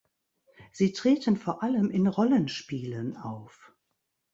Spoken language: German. Sie treten vor allem in Rollenspielen auf.